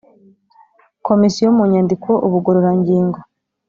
Komisiyo mu nyandiko Ubugororangingo